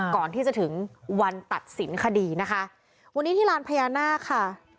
ก่อนที่จะถึงวันตัดสินคดีนะคะวันนี้ที่ลานพญานาคค่ะ